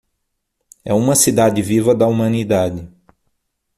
É uma cidade viva da humanidade